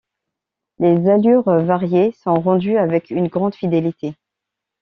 Les allures variées sont rendues avec une grande fidélité.